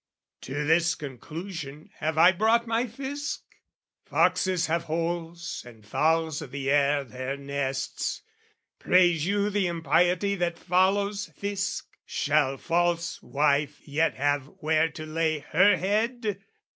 To this conclusion have I brought my Fisc? Foxes have holes, and fowls o' the air their nests; Praise you the impiety that follows, Fisc? Shall false wife yet have where to lay her head?